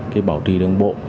cái bảo trì đường bộ